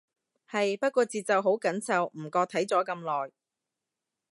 係，不過節奏好緊湊，唔覺睇咗咁耐